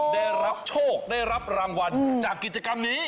ได้รับโชคได้รับรางวัลจากกิจกรรมนี้